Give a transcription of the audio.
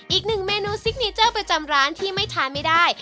อีกหนึ่งเมนูซิกเนเจอร์ประจำร้านที่ไม่ทานไม่ได้